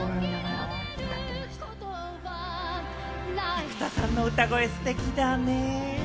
生田さんの歌声ステキだね。